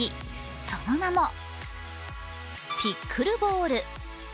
その名もピックルボール。